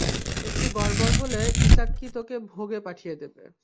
একটু গড়বড় হলে ইসাক্কি তোকে ভোগে পাঠিয়ে দিবে।